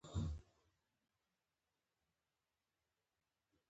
اوبه چې تر ورخ تېرې شي؛ بیا سر مه پسې ګرځوه.